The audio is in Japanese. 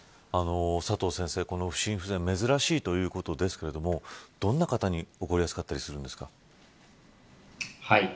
佐藤先生、この右心不全珍しいということですがどんな方に起こりやすかったりするんですか。